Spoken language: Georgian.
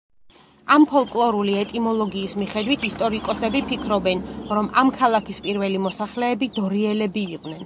ამ ფოლკლორული ეტიმოლოგიის მიხედვით, ისტორიკოსები ფიქრობენ, რომ ამ ქალაქის პირველი მოსახლეები დორიელები იყვნენ.